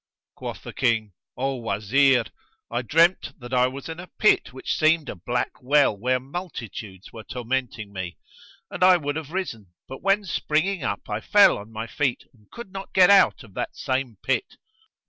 Quoth the King, "O Wazir, I dreamt that I was in a pit which seemed a black well where multitudes were tormenting me; and I would have risen, but when springing up I fell on my feet and could not get out of that same pit.